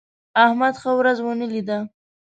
احمد ښه ورځ ونه لیده.